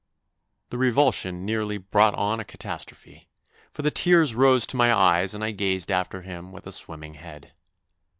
The revulsion nearly brought on a catastrophe, for the tears rose to my eyes and I gazed after him with a swimming head.